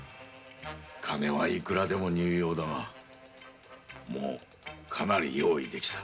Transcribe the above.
金はいくらでも必要だがもうかなり用意できた。